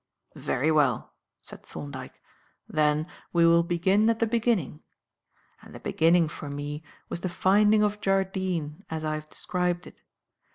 "Very well," said Thorndyke, "then we will begin at the beginning; and the beginning, for me, was the finding of Jardine, as I have described it.